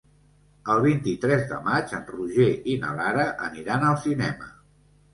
El vint-i-tres de maig en Roger i na Lara aniran al cinema.